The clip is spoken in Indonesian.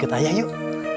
ikut ayah yuk